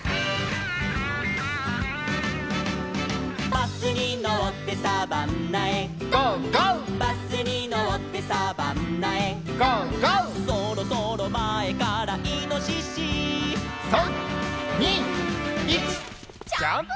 「バスにのってサバンナへ」「ゴーゴー」「バスにのってサバンナへ」「ゴーゴー」「そろそろまえからいのしし」「３、２、１ジャンプ」